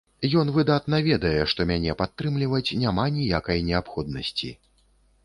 Ён выдатна ведае, што мяне падтрымліваць няма ніякай неабходнасці.